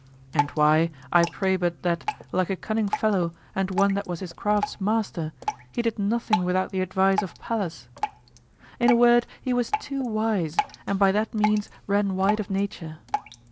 And why, I pray but that, like a cunning fellow and one that was his craft's master, he did nothing without the advice of Pallas? In a word he was too wise, and by that means ran wide of nature.